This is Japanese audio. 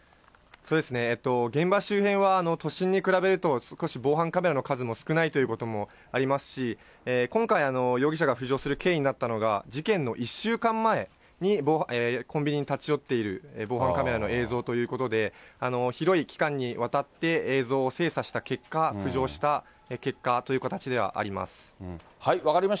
そうですね、現場周辺は都心に比べると、少し防犯カメラの数も少ないということもありますし、今回、容疑者が浮上する経緯となったのは、事件の１週間前にコンビニに立ち寄っている防犯カメラの映像ということで、広い期間にわたって映像を精査した結果、浮上した結果という形ではあります。